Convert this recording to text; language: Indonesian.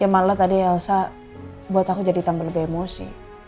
ya malah tadi elsa buat aku jadi tambah lebih emosi